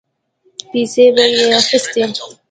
پيسې به يې اخيستې.